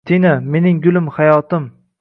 Tina! Mening gulim! Hayotim.